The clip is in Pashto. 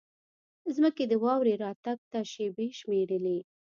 ځمکې د واورې راتګ ته شېبې شمېرلې.